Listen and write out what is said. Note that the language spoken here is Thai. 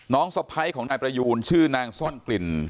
สะพ้ายของนายประยูนชื่อนางซ่อนกลิ่น